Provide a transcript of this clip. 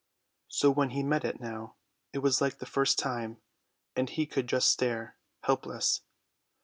So when he met it now it was like the first time; and he could just stare, helpless.